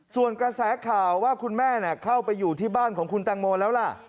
ส่วนกระแสข่าวว่าคุณแม่เข้าไปอยู่ที่บ้านของคุณแตงโมแล้วล่ะ